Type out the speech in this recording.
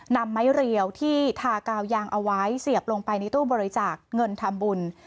นำไม้เรียวที่ทากาวยางเอาไว้เสียบลงไปในตู้บริจาคเงินทำบุญ